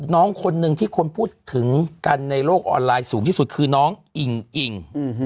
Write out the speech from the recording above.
น้องคนหนึ่งที่คนพูดถึงกันในโลกออนไลน์สูงที่สุดคือน้องอิงอิง